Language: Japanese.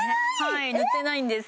はい塗ってないんです